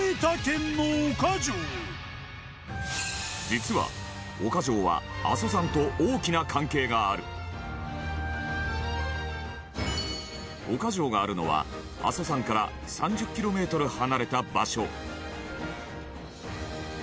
実は、岡城は阿蘇山と大きな関係がある岡城があるのは阿蘇山から３０ｋｍ離れた場所